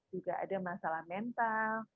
juga ada masalah mental